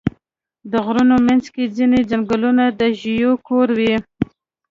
د غرونو منځ کې ځینې ځنګلونه د ژویو کور وي.